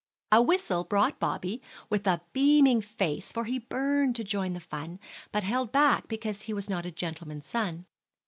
A whistle brought Bobby, with a beaming face, for he burned to join the fun, but held back because he was not a gentleman's son.